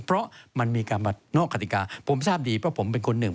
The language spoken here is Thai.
เพราะมันมีการมานอกกฎิกาผมทราบดีเพราะผมเป็นคนหนึ่ง